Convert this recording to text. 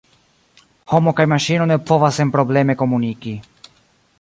Homo kaj maŝino ne povas senprobleme komuniki.